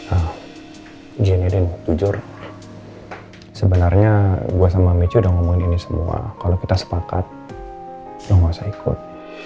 ah ijannya deh jujur sebenarnya gua sama mecu udah ngomongin ini semua kalau kita sepakat lo ga usah ikut